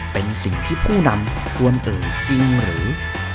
เป็นสิ่งที่ผู้นำควรตื่นจริงหรือ